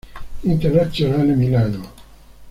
Internazionale Milano.